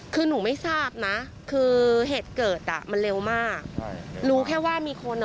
ตอนนั้นเขาถือปืนมาหรือยัง